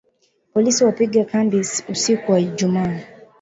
Polisi walipiga kambi usiku wa Ijumaa